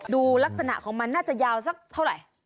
ดูลักษณะของมันน่าจะยาวสักเท่าไหร่